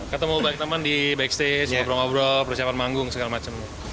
ketemu baik teman di backstage ngobrol ngobrol persiapan manggung segala macam